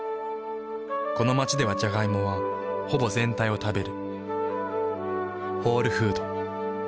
この街ではジャガイモはほぼ全体を食べる。